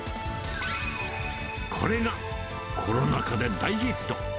これがコロナ禍で大ヒット。